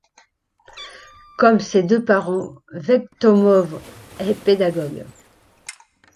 Comme ses deux parents, Vectomov est pédagogue.